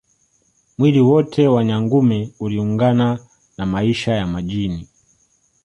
Mwili wote wa Nyangumi unalingana na maisha ya majini